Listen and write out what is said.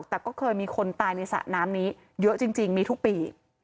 แต่ก็เคยมีคนตายในสระน้ำนี้เยอะจริงมีทุกปี